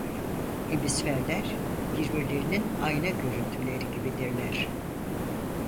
Hemisferler birbirlerinin ayna görüntüleri gibidirler.